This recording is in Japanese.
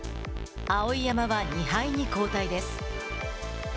碧山は２敗に後退です。